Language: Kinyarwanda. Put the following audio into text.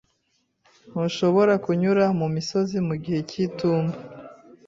Ntushobora kunyura mu misozi mu gihe cy'itumba.